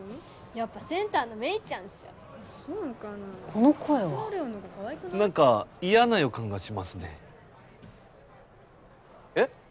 ・・やっぱセンターのメイちゃんっしょ・・そうかな・この声はなんか嫌な予感がしますねえっ？